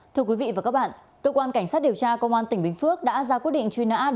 thưa quý vị và các bạn cơ quan cảnh sát điều tra công an tỉnh bình phước đã ra quyết định truy nã